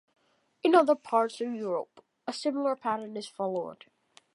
In other parts of Europe, a similar pattern is followed.